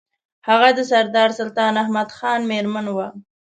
هغه د سردار سلطان احمد خان مېرمن وه.